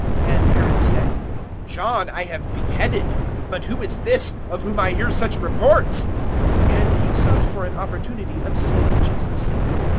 009:009 And Herod said, "John I have beheaded; but who is this, of whom I hear such reports?" And he sought for an opportunity of seeing Jesus.